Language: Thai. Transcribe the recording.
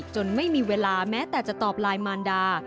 ไม่มีเวลาแม้แต่จะตอบไลน์มารดา